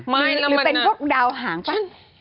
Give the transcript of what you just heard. หรือเป็นพวกดาวหางป่ะ